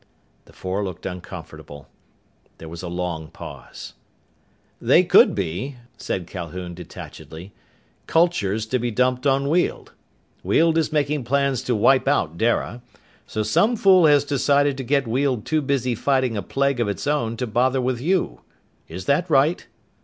The four looked uncomfortable. There was a long pause. "They could be," said Calhoun detachedly, "cultures to be dumped on Weald. Weald is making plans to wipe out Dara. So some fool has decided to get Weald too busy fighting a plague of its own to bother with you. Is that right?"